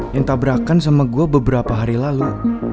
yang tabrakan sama gue beberapa hari lalu